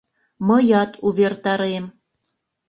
Мыят увертарем...